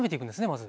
まず。